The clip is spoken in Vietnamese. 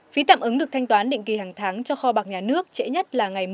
phí tạm ứng được thanh toán định kỳ hàng tháng cho kho bạc nhà nước